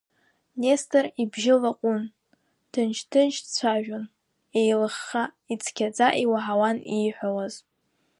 Нестор ибжьы лаҟәын, ҭынч-ҭынч дцәажәон, еилыхха, ицқьаӡа иуаҳауан ииҳәауаз.